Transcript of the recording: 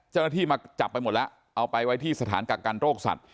เจ้าหน้าที่มาจับไปหมดแล้วเอาไปไว้ที่สถานกักกันโรคสัตว์